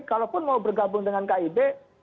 kalaupun mau bergabung dengan kib